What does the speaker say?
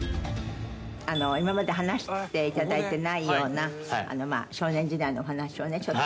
「今まで話していただいてないような少年時代のお話をね伺おうかと思ったんだけど」